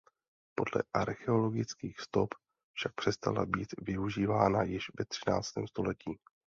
Podle archeologických stop však přestala být využívána již ve třináctém století.